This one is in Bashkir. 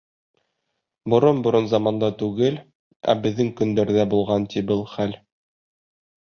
Борон-борон заманда түгел, ә беҙҙең көндәрҙә булған, ти, был хәл.